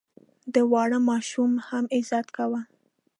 د واړه ماشوم هم عزت کوه.